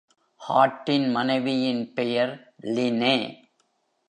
ஹார்ட்டின் மனைவியின் பெயர் லினே.